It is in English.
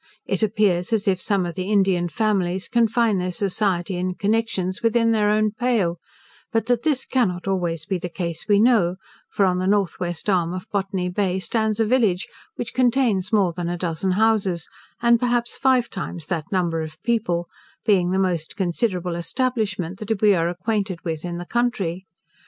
It appears as if some of the Indian families confine their society and connections within their own pale: but that this cannot always be the case we know; for on the north west arm of Botany Bay stands a village, which contains more than a dozen houses, and perhaps five times that number of people; being the most considerable establishment that we are acquainted with in the country.